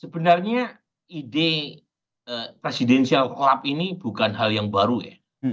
sebenarnya ide presidential collap ini bukan hal yang baru ya